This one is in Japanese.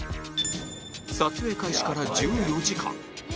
撮影開始から１４時間